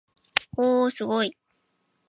おおおすごい